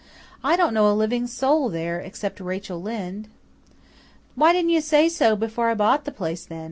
"I don't know a living soul there, except Rachel Lynde." "Why didn't you say so before I bought the place, then?